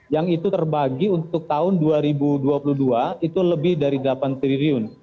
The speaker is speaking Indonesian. yang itu terbagi untuk tahun dua ribu dua puluh dua itu lebih dari delapan triliun